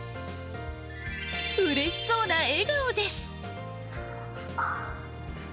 うれしそうな笑顔です。